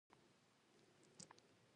آیا د دسمال راوړل د کوژدې نښه نه ده؟